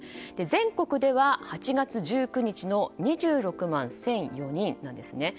全国では、８月１９日の２６万１００４人なんですね。